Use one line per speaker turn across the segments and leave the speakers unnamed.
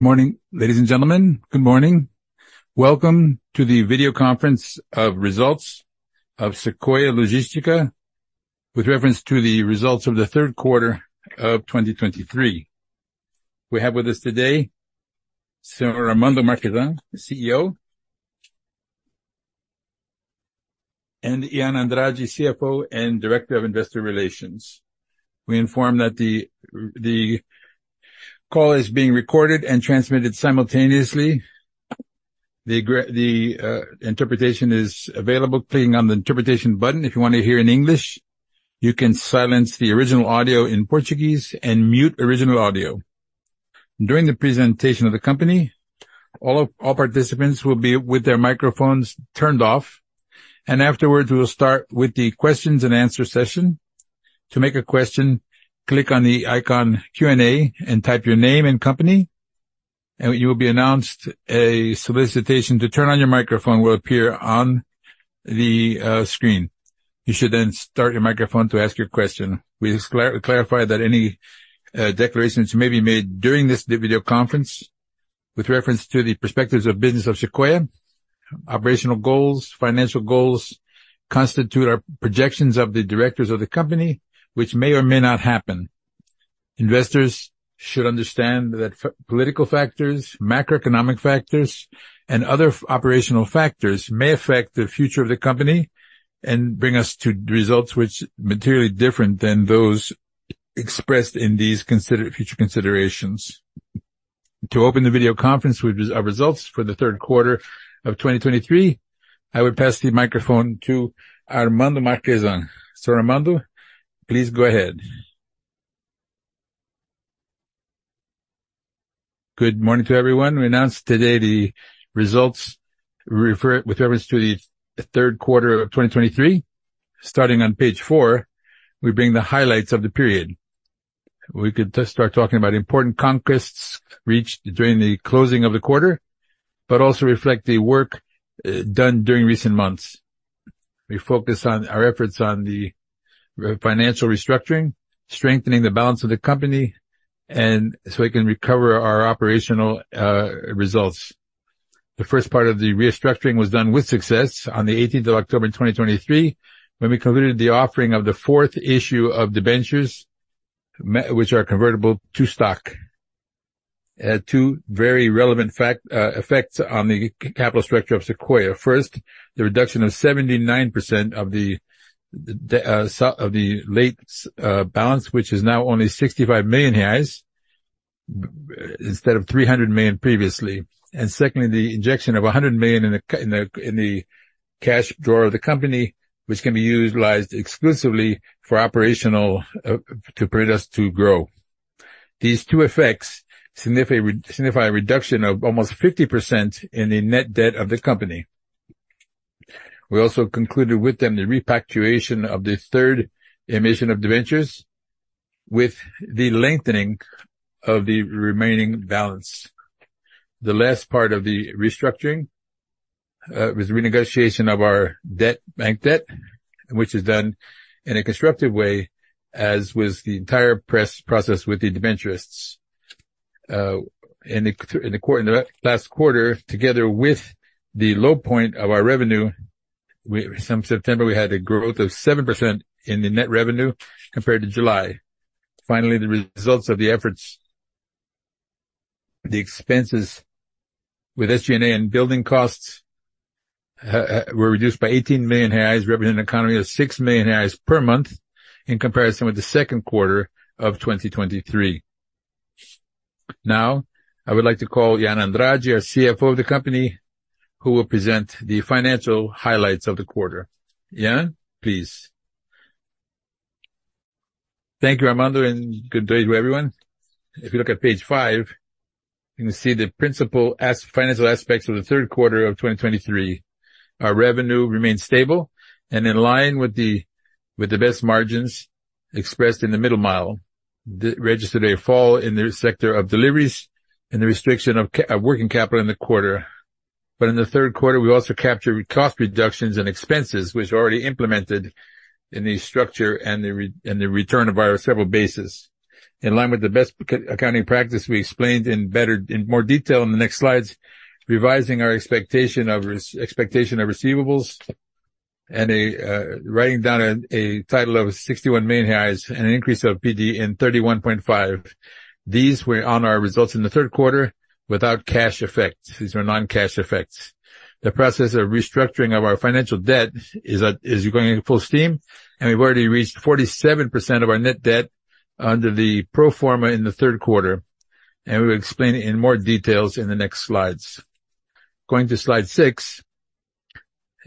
Morning, ladies and gentlemen. Good morning. Welcome to the video conference of results of Sequoia Logística, with reference to the results of the third quarter of 2023. We have with us today, Sir Armando Marchesan, the CEO, and Ian Andrade, CFO and Director of Investor Relations. We inform that the call is being recorded and transmitted simultaneously. The interpretation is available, clicking on the interpretation button. If you want to hear in English, you can silence the original audio in Portuguese and mute original audio. During the presentation of the company, all participants will be with their microphones turned off, and afterwards, we will start with the questions and answer session. To make a question, click on the icon Q&A, and type your name and company, and you will be announced. A solicitation to turn on your microphone will appear on the screen. You should then start your microphone to ask your question. We clarify that any declarations may be made during this video conference with reference to the perspectives of business of Sequoia, operational goals, financial goals, constitute our projections of the directors of the company, which may or may not happen. Investors should understand that political factors, macroeconomic factors, and other operational factors may affect the future of the company and bring us to results which are materially different than those expressed in these future considerations. To open the video conference with our results for the third quarter of 2023, I will pass the microphone to Armando Marchesan. Sir Armando, please go ahead.
Good morning to everyone. We announce today the results with reference to the third quarter of 2023. Starting on page four, we bring the highlights of the period. We could just start talking about important conquests reached during the closing of the quarter, but also reflect the work done during recent months. We focus on our efforts on the financial restructuring, strengthening the balance of the company, and so we can recover our operational results. The first part of the restructuring was done with success on the eighteenth of October, 2023, when we completed the offering of the fourth issue of debentures, which are convertible to stock. It had two very relevant effects on the capital structure of Sequoia. First, the reduction of 79% of the short-term debt balance, which is now only 65 million reais, instead of 300 million previously. Secondly, the injection of 100 million in the cash drawer of the company, which can be utilized exclusively for operational to permit us to grow. These two effects signify a reduction of almost 50% in the net debt of the company. We also concluded with them the repactuation of the third emission of debentures, with the lengthening of the remaining balance. The last part of the restructuring was the renegotiation of our debt, bank debt, which is done in a constructive way, as was the entire process with the debentureists. In the last quarter, together with the low point of our revenue in September, we had a growth of 7% in the net revenue compared to July. Finally, the results of the efforts, the expenses with SG&A and building costs, were reduced by 18 million, representing an economy of 6 million per month, in comparison with the second quarter of 2023. Now, I would like to call Ian Andrade, our CFO of the company, who will present the financial highlights of the quarter. Ian, please.
Thank you, Armando, and good day to everyone. If you look at page five, you can see the principal financial aspects of the third quarter of 2023. Our revenue remains stable and in line with the best margins expressed in the middle mile, that registered a fall in the sector of deliveries and the restriction of working capital in the quarter. But in the third quarter, we also captured cost reductions and expenses, which are already implemented in the structure and the return of our several bases. In line with the best accounting practice, we explained in more detail in the next slides, revising our expectation of receivables, and writing down a title of 61 million and an increase of PDD in 31.5. These were on our results in the third quarter without cash effects. These were non-cash effects. The process of restructuring of our financial debt is going full steam, and we've already reached 47% of our net debt under the pro forma in the third quarter, and we'll explain it in more details in the next slides. Going to slide six,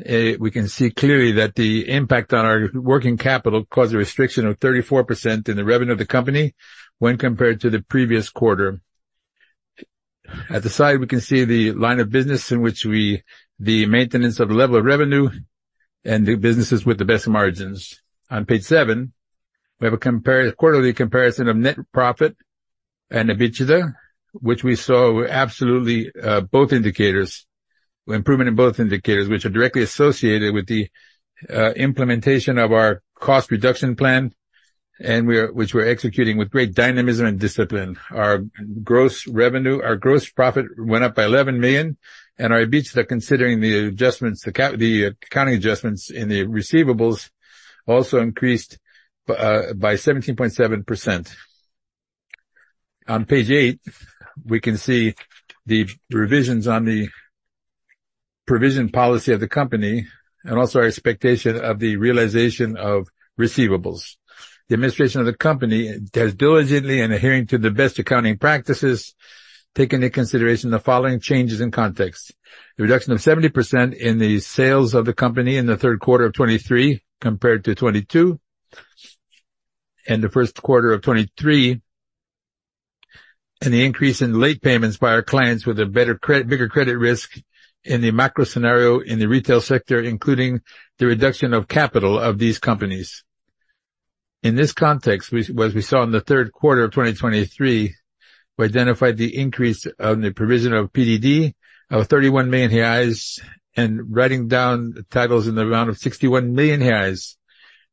we can see clearly that the impact on our working capital caused a restriction of 34% in the revenue of the company when compared to the previous quarter. At the slide, we can see the line of business in which we... The maintenance of the level of revenue and the businesses with the best margins. On page seven, we have a quarterly comparison of net profit and EBITDA, which we saw were absolutely both indicators. Improvement in both indicators, which are directly associated with the implementation of our cost reduction plan, and which we're executing with great dynamism and discipline. Our gross revenue, our gross profit went up by 11 million, and our EBITDA, considering the adjustments, the accounting adjustments in the receivables, also increased by 17.7%. On page eight, we can see the revisions on the provision policy of the company and also our expectation of the realization of receivables. The administration of the company has diligently, and adhering to the best accounting practices, take into consideration the following changes in context: The reduction of 70% in the sales of the company in the third quarter of 2023 compared to 2022, and the first quarter of 2023, and the increase in late payments by our clients with a better credit--bigger credit risk in the macro scenario in the retail sector, including the reduction of capital of these companies. In this context, we saw in the third quarter of 2023, we identified the increase of the provision of PDD of 31 million reais and writing down titles in the round of 61 million reais.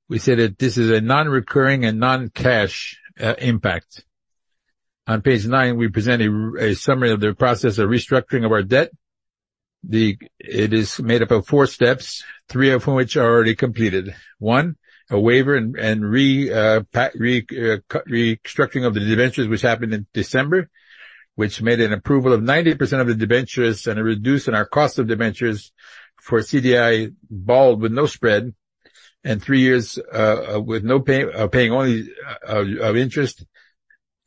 We say that this is a non-recurring and non-cash impact. On page nine, we present a summary of the process of restructuring of our debt. It is made up of four steps, three of which are already completed. One, a waiver and restructuring of the debentures, which happened in December, which made an approval of 90% of the debentures and a reduction in our cost of debentures for CDI flat with no spread, and three years, paying only interest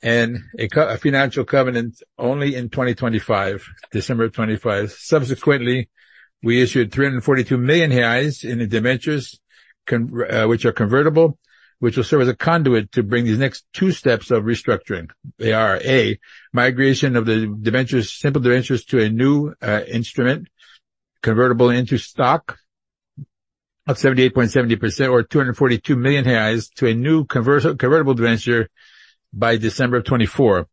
and a financial covenant only in 2025, December of 2025. Subsequently, we issued 342 million reais in the debentures, which are convertible, which will serve as a conduit to bring these next two steps of restructuring. They are, A, migration of the debentures, simple debentures, to a new instrument convertible into stock of 78.70%, or 242 million reais, to a new convertible debenture by December of 2024.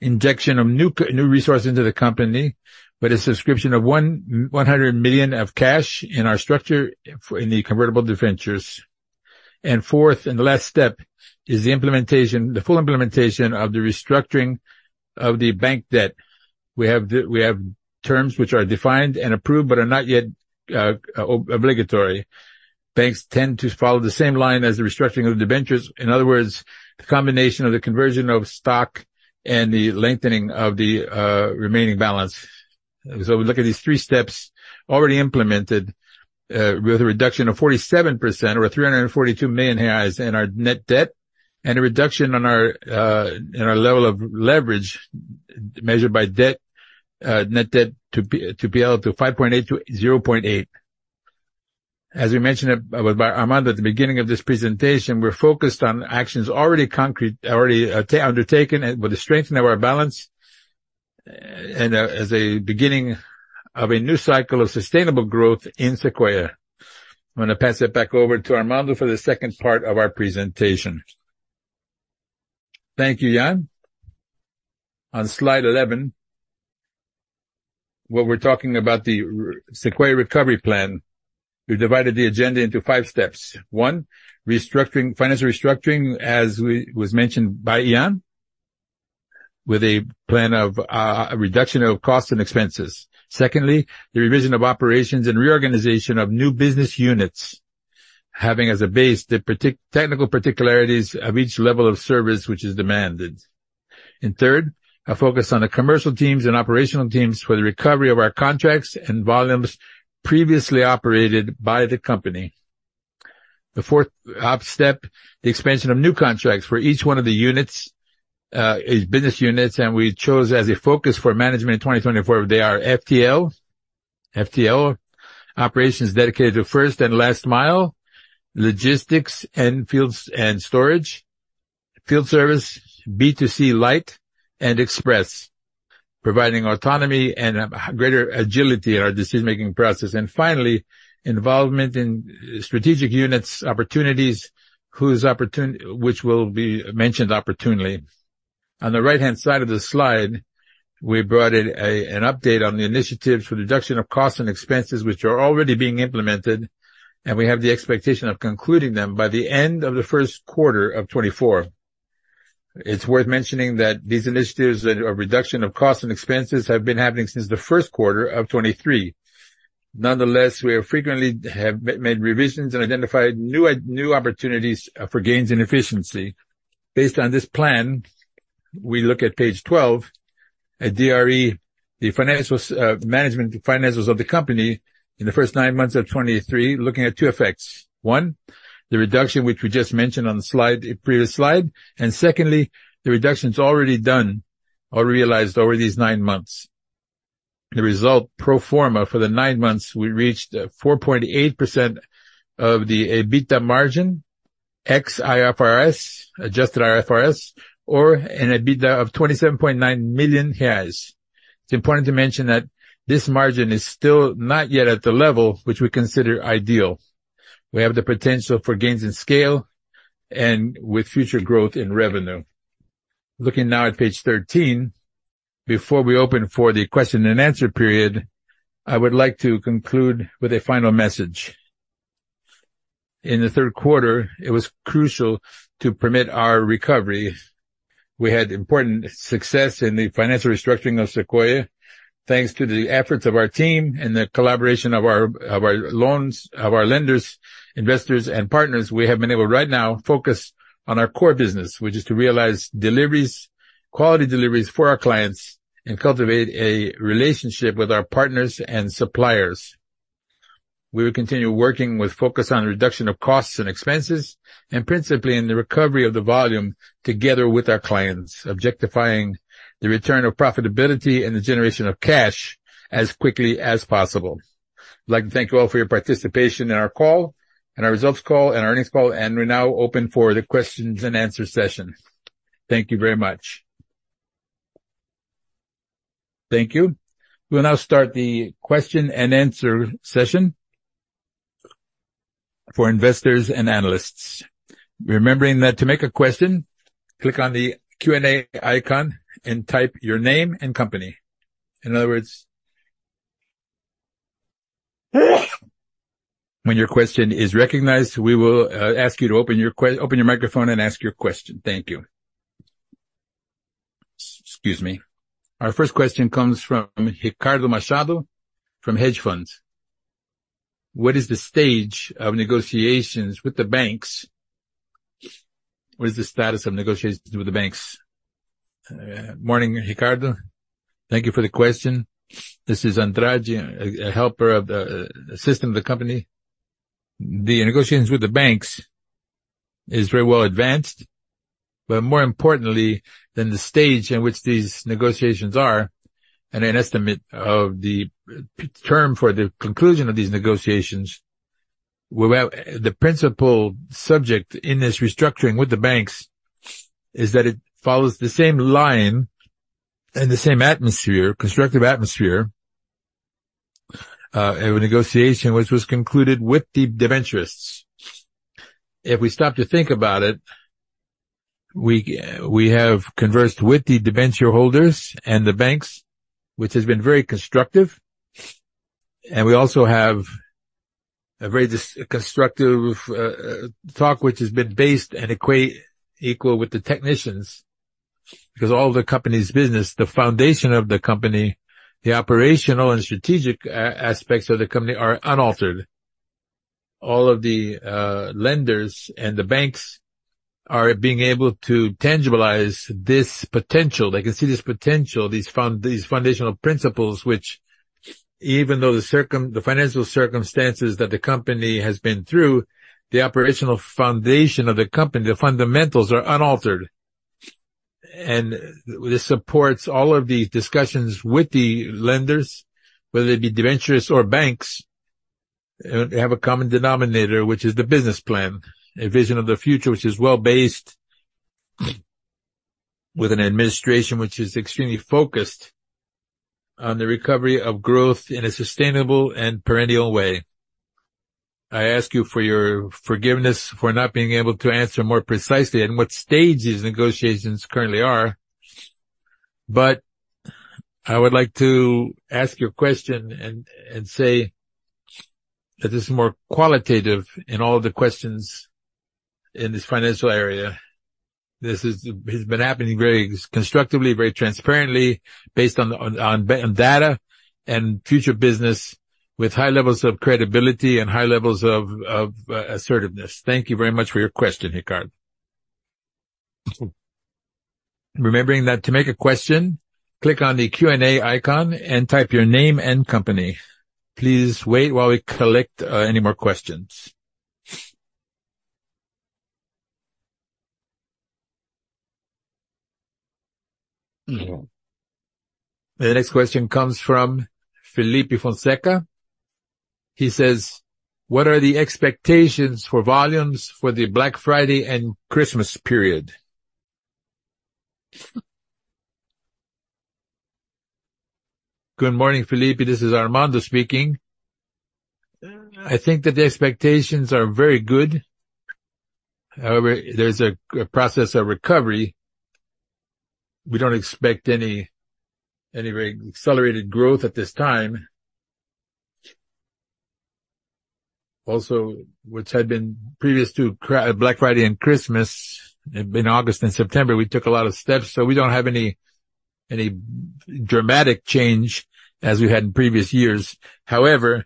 Injection of new resources into the company, with a subscription of 100 million of cash in our structure for, in the convertible debentures. And fourth and last step is the implementation, the full implementation of the restructuring of the bank debt. We have terms which are defined and approved, but are not yet obligatory. Banks tend to follow the same line as the restructuring of debentures. In other words, the combination of the conversion of stock and the lengthening of the remaining balance. So we look at these three steps already implemented, with a reduction of 47% or 342 million in our net debt, and a reduction in our level of leverage, measured by net debt to EBITDA 5.8-0.8. As we mentioned by Armando at the beginning of this presentation, we're focused on actions already concrete, already undertaken and with the strengthening of our balance, and as a beginning of a new cycle of sustainable growth in Sequoia. I'm going to pass it back over to Armando for the second part of our presentation.
Thank you, Ian. On slide 11, where we're talking about the Sequoia recovery plan, we divided the agenda into five steps. One, restructuring, financial restructuring, as was mentioned by Ian, with a plan of a reduction of costs and expenses. Secondly, the revision of operations and reorganization of new business units, having as a base the technical particularities of each level of service which is demanded. Third, a focus on the commercial teams and operational teams for the recovery of our contracts and volumes previously operated by the company. The fourth operational step, the expansion of new contracts for each one of the units, each business units, and we chose as a focus for management in 2024, they are FTL. FTL, operations dedicated to first and last mile, logistics and fields and storage, field service, B2C Light and Express, providing autonomy and a greater agility in our decision-making process. And finally, involvement in strategic units opportunities, whose opportunity which will be mentioned opportunely. On the right-hand side of the slide, we brought in an update on the initiatives for reduction of costs and expenses, which are already being implemented, and we have the expectation of concluding them by the end of the first quarter of 2024. It's worth mentioning that these initiatives that are reduction of costs and expenses have been happening since the first quarter of 2023. Nonetheless, we have frequently made revisions and identified new opportunities for gains in efficiency. Based on this plan, we look at page 12 at DRE, the financials, management financials of the company in the first nine months of 2023, looking at two effects. One, the reduction, which we just mentioned on the previous slide, and secondly, the reductions already done or realized over these nine months. The result, pro forma, for the nine months, we reached 4.8% of the EBITDA margin, ex IFRS, adjusted IFRS, or an EBITDA of 27.9 million reais. It's important to mention that this margin is still not yet at the level which we consider ideal. We have the potential for gains in scale and with future growth in revenue... Looking now at page 13, before we open for the question and answer period, I would like to conclude with a final message. In the third quarter, it was crucial to permit our recovery. We had important success in the financial restructuring of Sequoia. Thanks to the efforts of our team and the collaboration of our lenders, investors, and partners, we have been able right now to focus on our core business, which is to realize deliveries, quality deliveries for our clients and cultivate a relationship with our partners and suppliers. We will continue working with focus on reduction of costs and expenses, and principally in the recovery of the volume, together with our clients, objectifying the return of profitability and the generation of cash as quickly as possible. I'd like to thank you all for your participation in our call, in our results call and our earnings call, and we're now open for the question and answer session. Thank you very much.
Thank you. We'll now start the question and answer session for investors and analysts. Remembering that to make a question, click on the Q&A icon and type your name and company. In other words, when your question is recognized, we will ask you to open your microphone and ask your question. Thank you. Excuse me. Our first question comes from Ricardo Machado, from Hedge Funds. What is the stage of negotiations with the banks? What is the status of negotiations with the banks?
Morning, Ricardo. Thank you for the question. This is Andrade, a helper of the assistant of the company. The negotiations with the banks is very well advanced, but more importantly than the stage in which these negotiations are, and an estimate of the term for the conclusion of these negotiations, without... The principal subject in this restructuring with the banks is that it follows the same line and the same atmosphere, constructive atmosphere, of a negotiation which was concluded with the debentureists. If we stop to think about it, we have conversed with the debenture holders and the banks, which has been very constructive, and we also have a very constructive talk, which has been based and equal with the technicians. Because all the company's business, the foundation of the company, the operational and strategic aspects of the company, are unaltered. All of the lenders and the banks are being able to tangibilize this potential. They can see this potential, these foundational principles, which even though the financial circumstances that the company has been through, the operational foundation of the company, the fundamentals, are unaltered. And this supports all of the discussions with the lenders, whether they be debentureists or banks, they have a common denominator, which is the business plan, a vision of the future, which is well-based, with an administration which is extremely focused on the recovery of growth in a sustainable and perennial way. I ask you for your forgiveness for not being able to answer more precisely at what stage these negotiations currently are, but I would like to ask you a question and say that this is more qualitative in all of the questions in this financial area. This has been happening very constructively, very transparently, based on data and future business, with high levels of credibility and high levels of assertiveness. Thank you very much for your question, Ricardo.
Remembering that to make a question, click on the Q&A icon and type your name and company. Please wait while we collect any more questions. The next question comes from Felipe Fonseca. He says, "What are the expectations for volumes for the Black Friday and Christmas period?"
Good morning, Felipe. This is Armando speaking. I think that the expectations are very good. However, there's a process of recovery. We don't expect any very accelerated growth at this time. Also, which had been previous to Black Friday and Christmas, in August and September, we took a lot of steps, so we don't have any dramatic change as we had in previous years. However,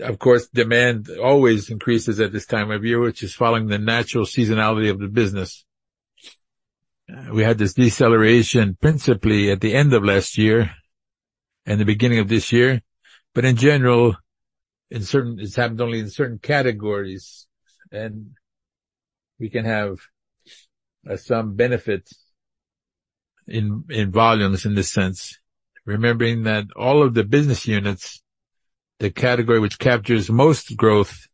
of course, demand always increases at this time of year, which is following the natural seasonality of the business. We had this deceleration principally at the end of last year and the beginning of this year. But in general, in certain categories, this happened only in certain categories, and we can have some benefits in volumes in this sense. Remembering that all of the business units, the category which captures most growth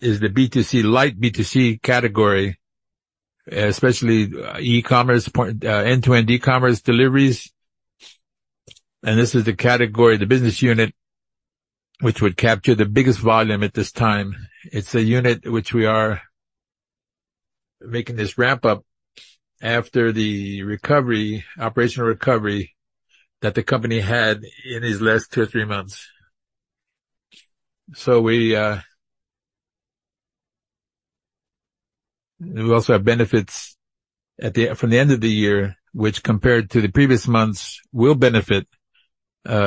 is the B2C, Light B2C category, especially, e-commerce, part, end-to-end e-commerce deliveries. And this is the category, the business unit, which would capture the biggest volume at this time. It's a unit which we are making this ramp up after the recovery, operational recovery, that the company had in these last two or three months. So we, we also have benefits at from the end of the year, which, compared to the previous months, will benefit,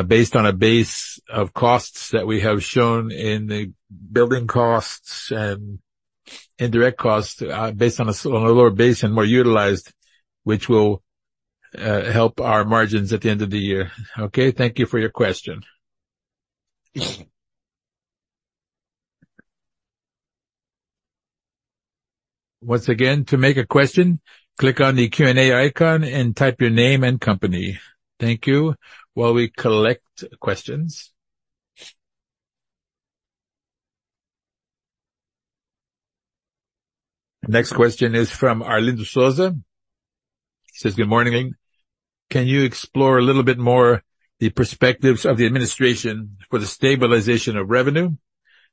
based on a base of costs that we have shown in the building costs and indirect costs, based on a lower base and more utilized, which will, help our margins at the end of the year. Okay, thank you for your question.
Once again, to make a question, click on the Q&A icon and type your name and company. Thank you. While we collect questions. The next question is from Arlindo Souza. Says, "Good morning. Can you explore a little bit more the perspectives of the administration for the stabilization of revenue,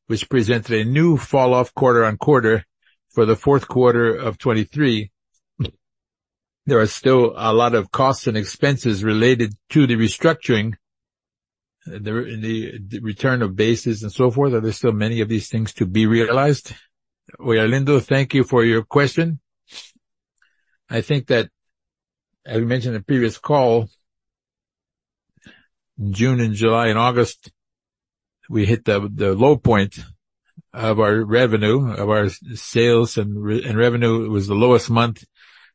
which presented a new falloff quarter-over-quarter for the fourth quarter of 2023? There are still a lot of costs and expenses related to the restructuring, the return of bases and so forth. Are there still many of these things to be realized?
Well, Arlindo, thank you for your question. I think that, as we mentioned in the previous call, June and July and August, we hit the low point of our revenue, of our sales and revenue. It was the lowest month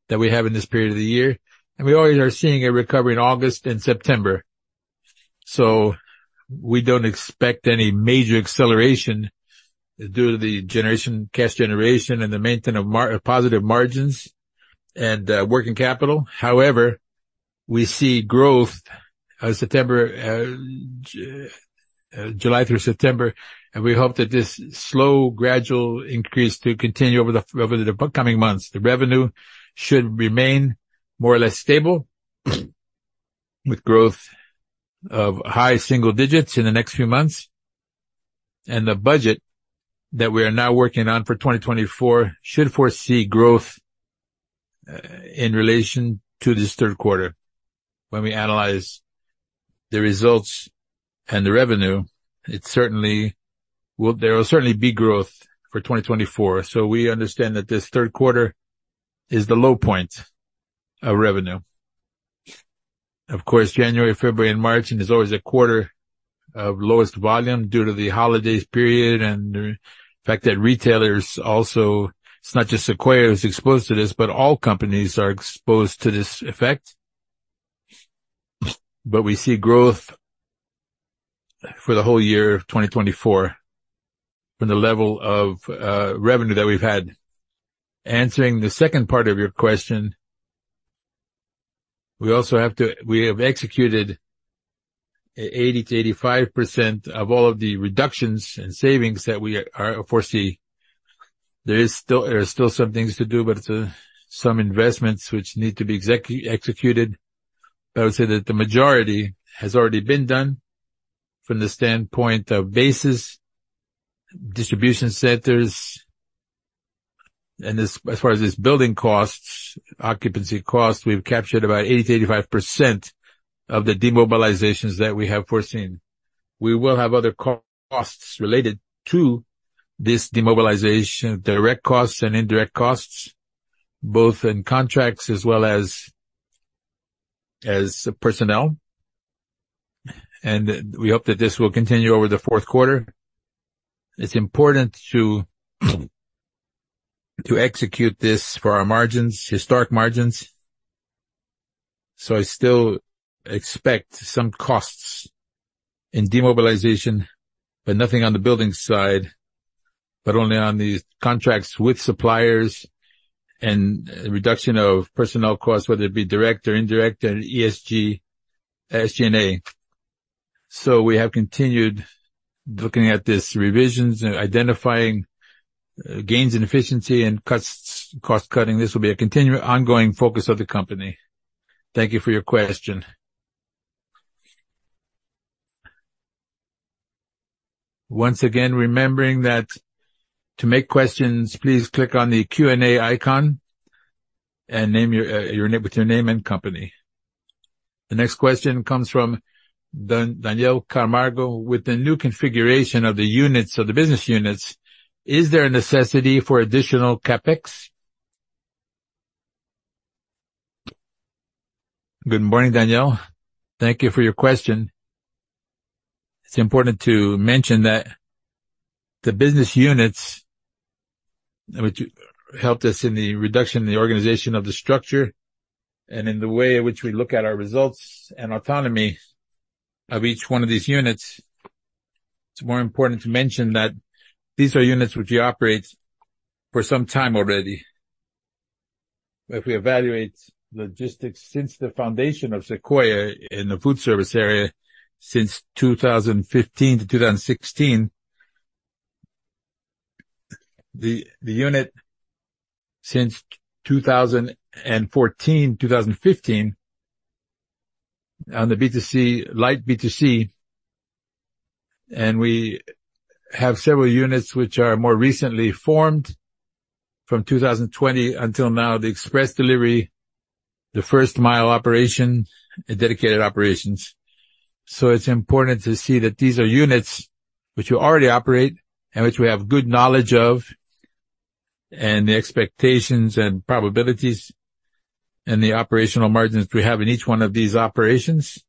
that we have in this period of the year, and we already are seeing a recovery in August and September. So we don't expect any major acceleration due to cash generation and the maintenance of positive margins and working capital. However, we see growth September, July through September, and we hope that this slow, gradual increase to continue over the upcoming months. The revenue should remain more or less stable, with growth of high single digits in the next few months, and the budget that we are now working on for 2024 should foresee growth in relation to this third quarter. When we analyze the results and the revenue, there will certainly be growth for 2024. So we understand that this third quarter is the low point of revenue. Of course, January, February, and March, and there's always a quarter of lowest volume due to the holidays period, and the fact that retailers also, it's not just Sequoia who's exposed to this, but all companies are exposed to this effect. But we see growth for the whole year of 2024 from the level of revenue that we've had. Answering the second part of your question, we have executed 80%-85% of all of the reductions and savings that we have foreseen. There are still some things to do, but some investments which need to be executed. But I would say that the majority has already been done from the standpoint of bases, distribution centers, and as far as these building costs, occupancy costs, we've captured about 80%-85% of the demobilizations that we have foreseen. We will have other costs related to this demobilization, direct costs and indirect costs, both in contracts as well as personnel, and we hope that this will continue over the fourth quarter. It's important to execute this for our margins, historic margins, so I still expect some costs in demobilization, but nothing on the building side, but only on the contracts with suppliers and reduction of personnel costs, whether it be direct or indirect, and SG&A. So we have continued looking at these revisions and identifying gains in efficiency and costs, cost cutting. This will be a continuing, ongoing focus of the company. Thank you for your question. Once again, remembering that to make questions, please click on the Q&A icon and name your name with your name and company. The next question comes from Daniel Camargo: "With the new configuration of the units, of the business units, is there a necessity for additional CapEx?"
Good morning, Daniel. Thank you for your question. It's important to mention that the business units, which helped us in the reduction in the organization of the structure and in the way in which we look at our results and autonomy of each one of these units, it's more important to mention that these are units which we operate for some time already. If we evaluate logistics since the foundation of Sequoia in the food service area since 2015 to 2016. The unit since 2014, 2015, on the B2C, Light B2C, and we have several units which are more recently formed from 2020 until now, the express delivery, the first mile operation, and dedicated operations. So it's important to see that these are units which we already operate, and which we have good knowledge of, and the expectations and probabilities, and the operational margins we have in each one of these operations.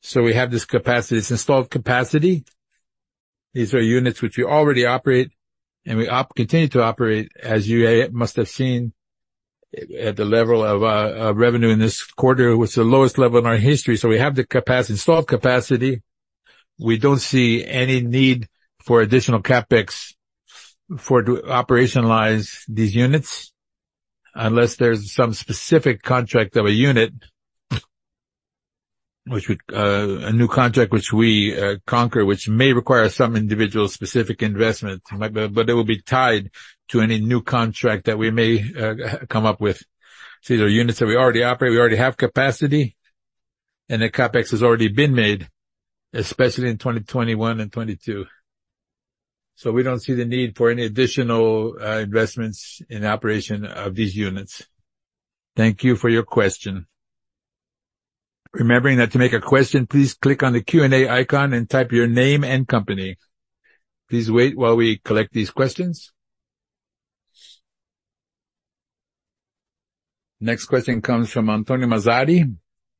So we have this capacity, this installed capacity. These are units which we already operate, and we continue to operate, as you must have seen at the level of revenue in this quarter, was the lowest level in our history. So we have the capacity, installed capacity. We don't see any need for additional CapEx for to operationalize these units, unless there's some specific contract of a unit, which would... A new contract which we conquer, which may require some individual specific investment, but it will be tied to any new contract that we may come up with. These are units that we already operate, we already have capacity, and the CapEx has already been made, especially in 2021 and 2022. So we don't see the need for any additional investments in operation of these units. Thank you for your question. Remembering that to make a question, please click on the Q&A icon and type your name and company. Please wait while we collect these questions. Next question comes from Antonio Mazzari.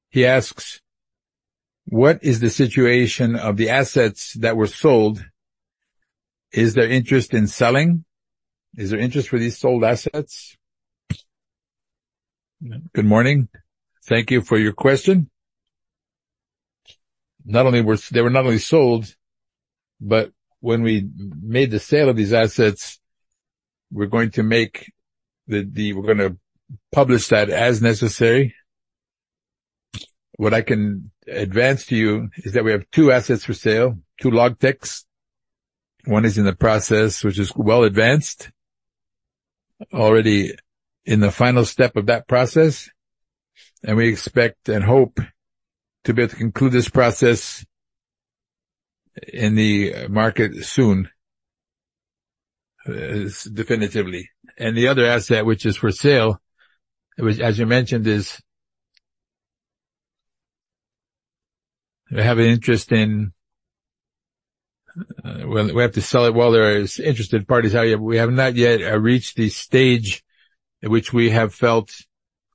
He asks, "What is the situation of the assets that were sold? Is there interest in selling? Is there interest for these sold assets?"
Good morning. Thank you for your question. They were not only sold, but when we made the sale of these assets, we're going to make the we're gonna publish that as necessary. What I can advance to you is that we have two assets for sale, two logtechs. One is in the process, which is well advanced, already in the final step of that process, and we expect and hope to be able to conclude this process in the market soon, definitively. And the other asset, which is for sale, which as you mentioned, is. We have an interest in, well, we have to sell it while there is interested parties. However, we have not yet reached the stage at which we have felt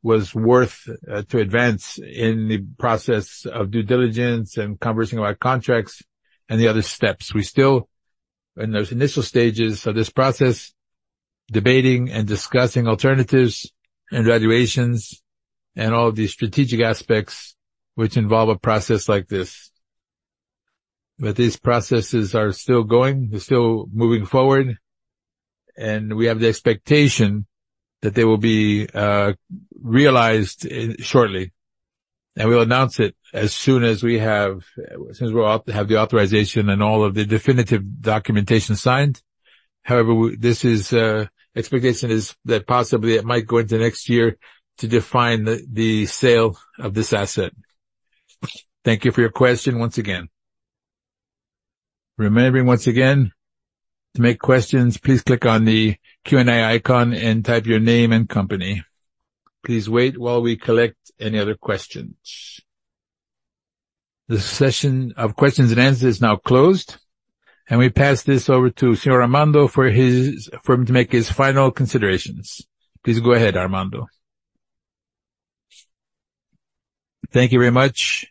was worth to advance in the process of due diligence and conversing about contracts and the other steps. We're still in those initial stages of this process, debating and discussing alternatives and valuations, and all of the strategic aspects which involve a process like this. But these processes are still going, they're still moving forward, and we have the expectation that they will be realized shortly. And we'll announce it as soon as we have, as soon as we'll have the authorization and all of the definitive documentation signed. However, we, this is expectation is that possibly it might go into next year to define the, the sale of this asset. Thank you for your question once again.
Remembering once again, to make questions, please click on the Q&A icon and type your name and company. Please wait while we collect any other questions. The session of questions and answers is now closed, and we pass this over to senhor Armando for his, for him to make his final considerations. Please go ahead, Armando. Thank you very much.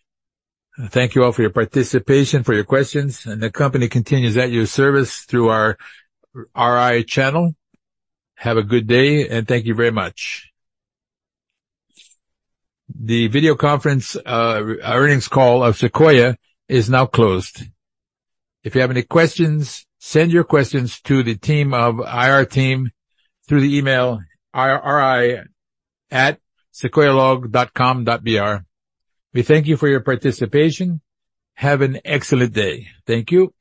Thank you all for your participation, for your questions, and the company continues at your service through our RI channel. Have a good day, and thank you very much.
The video conference earnings call of Sequoia is now closed. If you have any questions, send your questions to the team of IR team through the email, ir, ri@sequoialog.com.br. We thank you for your participation. Have an excellent day. Thank you.